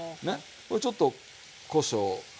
これちょっとこしょうを。